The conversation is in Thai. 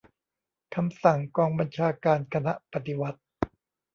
คำสั่งกองบัญชาการคณะปฏิวัติ